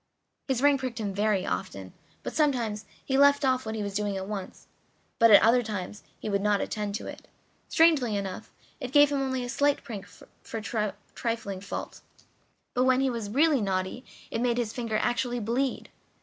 His ring pricked him very often, and sometimes he left off what he was doing at once; but at other times he would not attend to it. Strangely enough, it gave him only a slight prick for a trifling fault, but when he was really naughty it made his finger actually bleed.